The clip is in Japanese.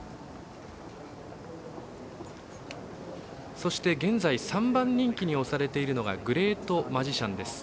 そして、現在３番人気に推されているのがグレートマジシャンです。